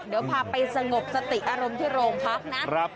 เดี๋ยวพาไปสงบสติอารมณ์ที่โรงพักนะ